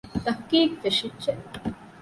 ތަހުޤީޤު ފެށިއްޖެ